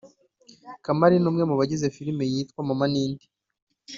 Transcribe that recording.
kamali numwe mubagize filime yitwa mama ninde